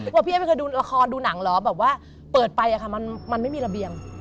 บอกพี่เอ๊ไม่เคยดูละครดูหนังเหรอแบบว่าเปิดไปอะค่ะมันไม่มีระเบียง